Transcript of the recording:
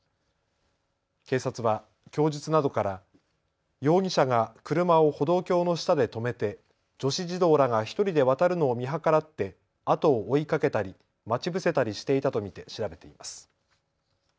警察は供述などから容疑者が車を歩道橋の下で止めて女子児童らが１人で渡るのを見計らって後を追いかけたり待ち伏せたりしていたと見て調べています。